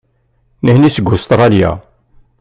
Nitni seg Ustṛalya.